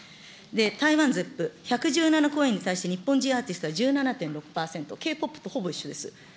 台湾ゼップ、１１７公演に対して日本人アーティストは１７．６％、Ｋ−ＰＯＰとほぼ一緒です。